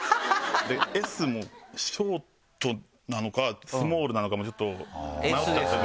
Ｓもショートなのかスモールなのかもちょっと迷っちゃってて。